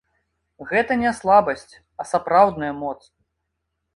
Гэта не слабасць, а сапраўдная моц!